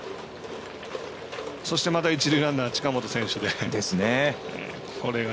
そして、また一塁ランナー近本選手で。